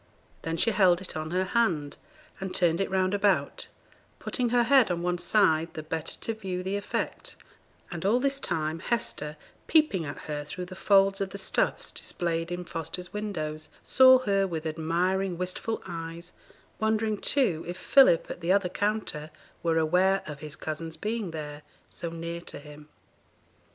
Then she held it on her hand, and turned it round about, putting her head on one side, the better to view the effect; and all this time, Hester, peeping at her through the folds of the stuffs displayed in Foster's windows, saw her with admiring, wistful eyes; wondering, too, if Philip, at the other counter, were aware of his cousin's being there, so near to him.